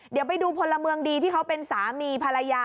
เดี๋ยวไปดูพลเมืองดีที่เขาเป็นสามีภรรยา